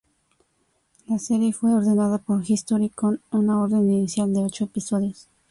La serie fue ordenada por History con una orden inicial de ocho episodios.